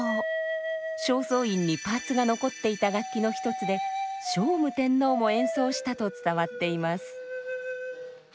正倉院にパーツが残っていた楽器の一つで聖武天皇も演奏したと伝わっています。